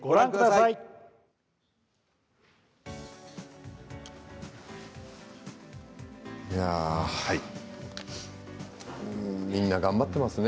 いやあみんな頑張ってますね。